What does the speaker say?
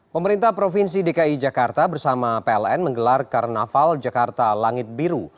pemerintah provinsi dki jakarta bersama pln menggelar karnaval jakarta langit biru